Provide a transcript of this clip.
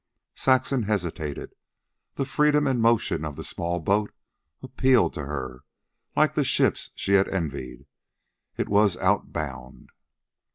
Saxon hesitated. The freedom and motion of the small boat appealed to her. Like the ships she had envied, it was outbound.